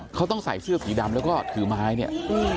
เขาต้องใส่เสื้อสีดำแล้วก็ถือไม้เนี่ย